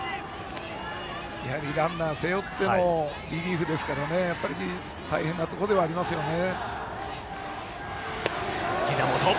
ランナーを背負ってのリリーフですから大変なところではありますね。